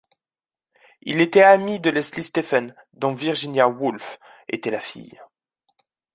Il était ami de Leslie Stephen, dont Virginia Woolf était la fille.